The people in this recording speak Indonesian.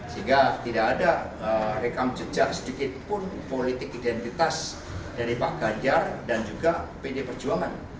sehingga tidak ada rekam jejak sedikit pun politik identitas dari pak ganjar dan juga pd perjuangan